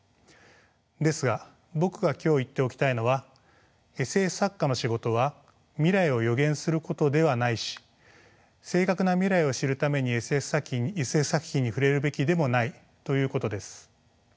ですが僕が今日言っておきたいのはＳＦ作家の仕事は未来を予言することではないし正確な未来を知るためにＳＦ作品に触れるべきでもないということです。